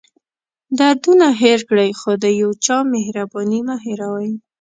دردونه هېر کړئ خو د یو چا مهرباني مه هېروئ.